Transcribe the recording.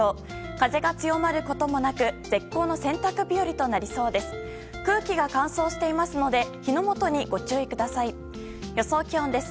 風が強まることもなく絶好の洗濯日和となりそうです。